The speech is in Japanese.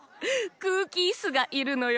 くうきイスがいるのよ。